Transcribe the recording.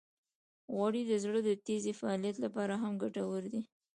غوړې د زړه د تېزې فعالیت لپاره هم ګټورې دي.